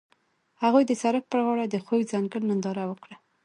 هغوی د سړک پر غاړه د خوږ ځنګل ننداره وکړه.